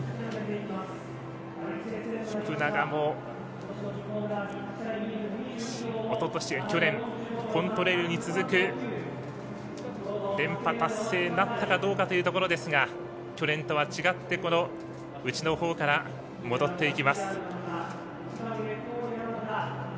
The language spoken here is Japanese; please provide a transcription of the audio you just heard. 福永も、去年コントレイルに続く連覇達成なったかどうかというところですが去年とは違ってこの内のほうから戻っていきます。